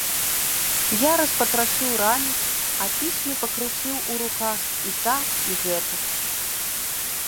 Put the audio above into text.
Я распатрашыў ранец, а пісьмы пакруціў у руках і так і гэтак.